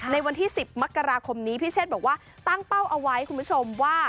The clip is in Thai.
ในวันที่๑๐มกราคมนี้พี่เชษบอกว่าตั้งเป้าเอาไว้คุณผู้ชมว่า